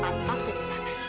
pantasnya di sana